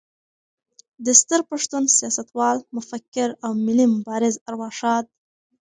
د ستر پښتون، سیاستوال، مفکر او ملي مبارز ارواښاد